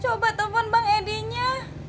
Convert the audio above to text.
coba telfon bang edinya